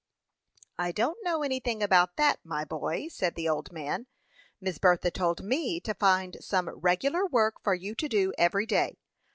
"I don't know anything about that, my boy," said the old man. "Miss Bertha told me to find some regular work for you to do every day.